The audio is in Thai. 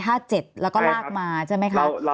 แล้วก็ลากมาใช่ไหมคะ